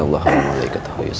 assalamualaikum pak ustadz